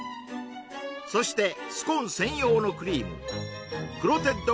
そしてスコーン専用のクリームクロテッド